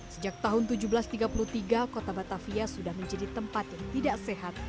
sejak tahun seribu tujuh ratus tiga puluh tiga kota batavia sudah menjadi tempat yang tidak sehat